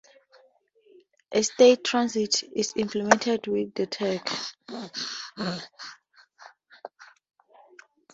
A state transit is implemented with the Tag.